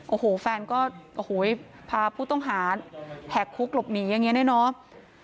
โอ้โหแฟนก็โอ้โหพาผู้ต้องหาแหกคุกหลบหนีอย่างนี้เนี่ยเนาะ